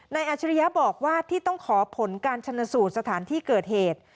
อาจริยะบอกว่าที่ต้องขอผลการชนสูตรสถานที่เกิดเหตุ